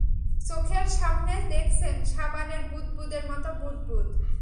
চোখের সামনে দেখছেন সাবানের বুদবুদের মতো বুদবুদ।